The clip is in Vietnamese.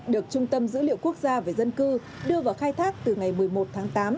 được trung tâm dữ liệu quốc gia về dân cư đưa vào khai thác từ ngày một mươi một tháng tám